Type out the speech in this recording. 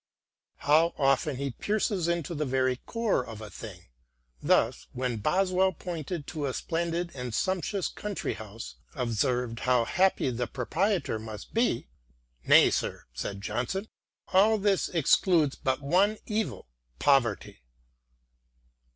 How often he pierces into the very core of a thing. Thus when Boswell, pointing to a splendid and sumptuous country house, observed how happy the proprietor must be :" Nay, sir," said Johnson, " all this excludes but one evil — ^poverty."